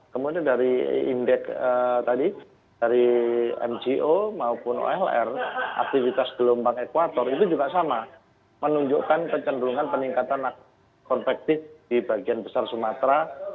kemudian dari indeks tadi dari mgo maupun olr aktivitas gelombang ekwator itu juga sama menunjukkan kecenderungan peningkatan konvektif di bagian besar sumatera